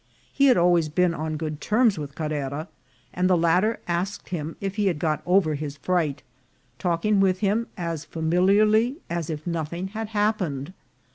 He had always been on good terms with Carrera, and the latter asked him if he had got over his fright, talking with him as familiarly as if nothing had happened.